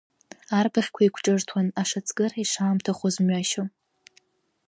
Арбаӷьқәа еиқәҿырҭуан, ашацкыра ишаамҭахоз мҩашьо.